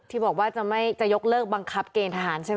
ที่บอกว่าจะยกเลิกบังคับเกณฑหารใช่ไหม